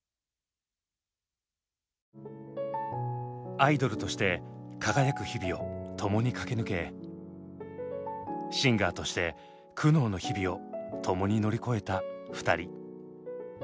アイドルとして輝く日々をともに駆け抜けシンガーとして苦悩の日々をともに乗り越えた２人。